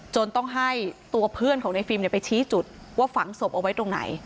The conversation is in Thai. จนต้องให้ตัวเพื่อนของในฟิล์มไปชี้จุดว่าฝังศพเอาไว้ตรงไหน